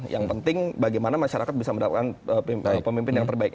yang penting bagaimana masyarakat bisa mendapatkan pemimpin yang terbaik